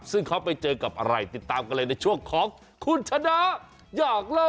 ซึ่งเขาไปเจอกับอะไรติดตามกันเลยในช่วงของคุณชนะอยากเลิก